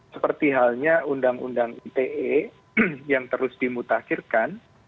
seperti halnya undang undang ite yang terus dimutakhirkan